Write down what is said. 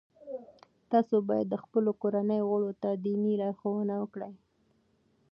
تاسو باید د خپلو کورنیو غړو ته دیني لارښوونه وکړئ.